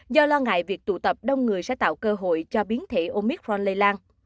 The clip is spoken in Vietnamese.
do lo ngại việc tụ tập đông người sẽ tạo cơ hội cho biến thể omicron lây lan